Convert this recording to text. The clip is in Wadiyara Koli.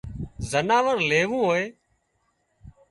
زناور ليوون هوئي